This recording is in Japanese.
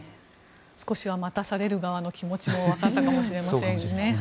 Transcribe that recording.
少しは待たされる側の気持ちもわかったかもしれませんね。